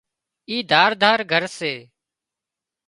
اِي ڌار ڌار گھر سي